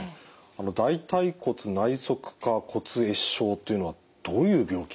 大腿骨内側顆骨壊死症というのはどういう病気になりますか？